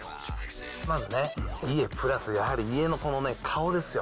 まずね、家プラスやはり家の顔ですよ。